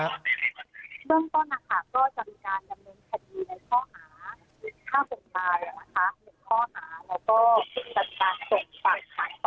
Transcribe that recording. เรื่องต่อนะคะก็จะมีการดำเนินคดีในข้อหาห้าหกบาลนะคะหกข้อหา